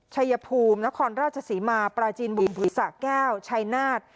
ชัยภูมินครราชศรีมาปราจีนบุรีสะแก้วชัยนาฏ